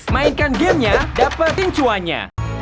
mainkan gamenya dapet pincuannya